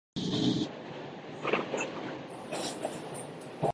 アマパー州の州都はマカパである